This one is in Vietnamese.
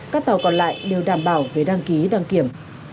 các tàu còn lại đều đảm bảo về đăng ký đăng kiểm